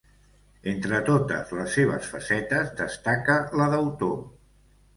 Entre totes les seves facetes, destaca la d'autor.